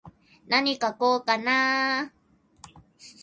なに書こうかなー。